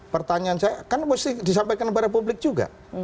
pertanyaan saya kan mesti disampaikan kepada publik juga